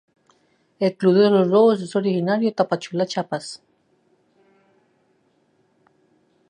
El club de "Los Lobos" es originario de Tapachula, Chiapas.